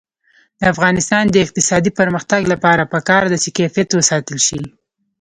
د افغانستان د اقتصادي پرمختګ لپاره پکار ده چې کیفیت وساتل شي.